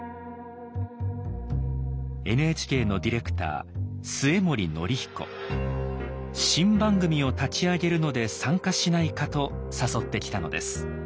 ＮＨＫの新番組を立ち上げるので参加しないかと誘ってきたのです。